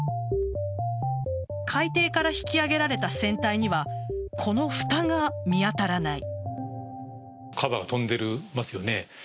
海底から引き揚げられた船体にはこのふたが見当たらない。